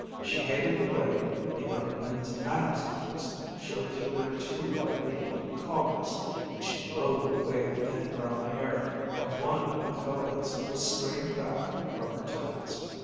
She hated the way the young men's Adam's apples showed through their too widely opened collars, and she loathed the way the thin brown hair of one of the co eds was strained back from her temples.